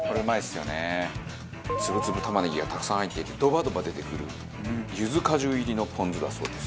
つぶつぶ玉ねぎがたくさん入っていてドバドバ出てくるゆず果汁入りのぽん酢だそうです。